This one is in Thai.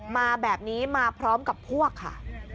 มาแบบนี้มาพร้อมกับพวกค่ะ